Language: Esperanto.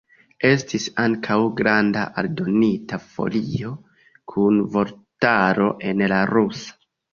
Estis ankaŭ granda aldonita folio kun vortaro en la rusa.